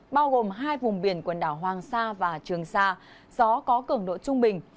bao gồm hai vùng biển quần đảo hoàng sa và trường sa gió có cường độ trung bình